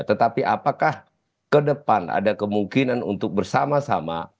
tetapi apakah ke depan ada kemungkinan untuk bersama sama